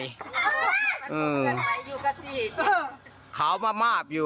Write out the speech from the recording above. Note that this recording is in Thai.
มันคือเอาไหมยังคะจี๊ด